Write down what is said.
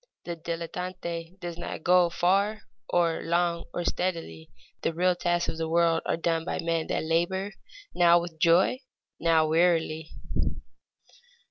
The dilettante does not go far or long or steadily; the real tasks of the world are done by men that labor, now with joy, now wearily.